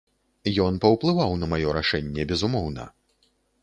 Ён паўплываў на маё рашэнне, безумоўна.